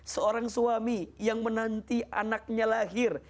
seorang suami yang menanti anaknya lahir